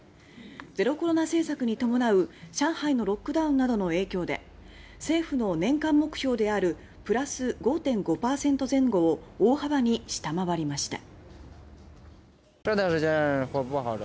ゼロコロナ政策に伴う上海のロックダウンなどの影響で政府の年間目標である「プラス５．５％前後」を大幅に下回りました。